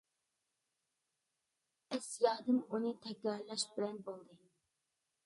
ئەس يادىم ئۇنى تەكرارلاش بىلەن بولدى.